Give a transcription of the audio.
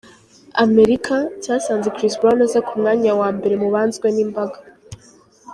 Amerika, cyasanze Chris Brown aza ku mwanya wa mbere mu banzwe nimbaga.